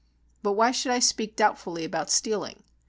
But why should I speak doubtfully about stealing?